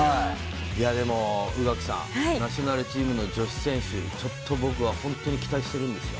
宇垣さん、ナショナルチームの女子選手、ちょっと僕は本当に期待してるんですよ。